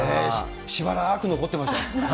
しばらく残ってました。